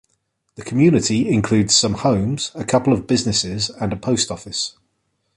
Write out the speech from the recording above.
The community includes some homes, a couple of businesses, and a post office.